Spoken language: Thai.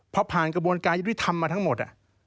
พอผ่านกระบวนการยุทธิธรรมมาทั้งหมด